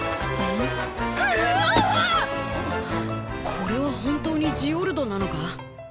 これは本当にジオルドなのか？